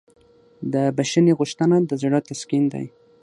د بښنې غوښتنه د زړه تسکین دی.